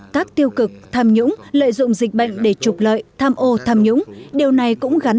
các tiêu cực tham nhũng lợi dụng dịch bệnh để trục lợi tham ô tham nhũng điều này cũng gắn